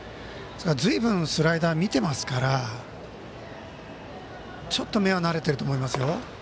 ずいぶんスライダー見てますからちょっと目は慣れていると思いますよ。